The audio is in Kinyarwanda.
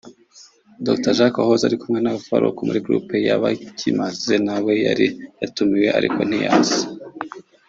Dr Jack wahoze arikumwe na Faruku muri groupe y’Abakimaze nawe yari yatumiwe ariko ntiyaza